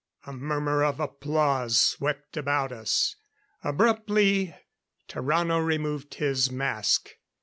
A murmur of applause swept about us. Abruptly Tarrano removed his mask.